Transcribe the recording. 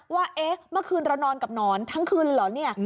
ว่าเมื่อคืนเรานอนกับนอนทั้งคืนเหรอ